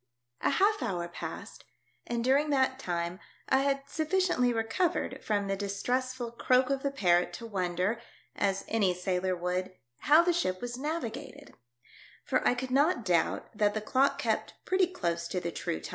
A HALF HOUR passed, and during that time I had sufficiently recovered from the distress ful croak of the parrot to wonder, as any sailor would, how the ship was navigated ; for I could not doubt that the clock kept pretty close to the true tim.